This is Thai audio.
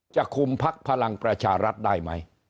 จะคุมพักพลังประชารัฐได้ไหม